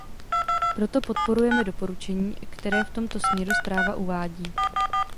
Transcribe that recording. Proto podporujeme doporučení, které v tomto směru zpráva uvádí.